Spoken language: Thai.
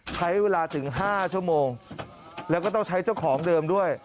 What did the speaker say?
ใช้เวลาถึง๕ชั่วโมงแล้วก็ต้องใช้เจ้าของเดิมด้วย